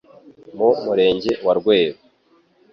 mu Murenge wa Rweru